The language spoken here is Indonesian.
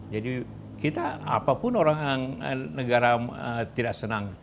jadi kita apapun orang negara tidak senang